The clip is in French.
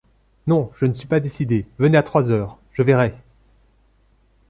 Non, je ne suis pas décidée ; venez à trois heures, je verrai.